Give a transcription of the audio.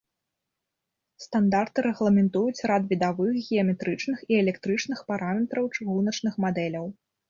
Стандарты рэгламентуюць рад відавых, геаметрычных і электрычных параметраў чыгуначных мадэляў.